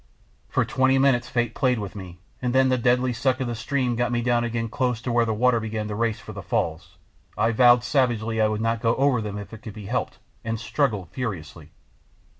For twenty minutes Fate played with me, and then the deadly suck of the stream got me down again close to where the water began to race for the falls. I vowed savagely I would not go over them if it could be helped, and struggled furiously.